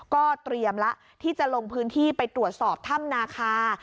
ก็เตรียมแล้วที่จะลงพื้นที่ไปตรวจสอบถ้ำนาคา